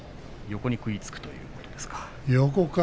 横に食いつくということですか。